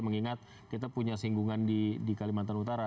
mengingat kita punya singgungan di kalimantan utara